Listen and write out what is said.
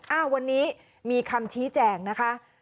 อ้าววันนี้มีคำชี้แจงนะคะ